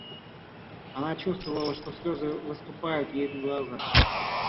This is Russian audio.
Она чувствовала, что слезы выступают ей на глаза.